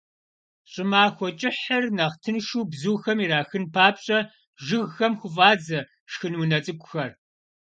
ЩӀымахуэ кӀыхьыр нэхъ тыншу бзухэм ирахын папщӀэ, жыгхэм хуфӀадзэ шхын унэ цӀыкӀухэр.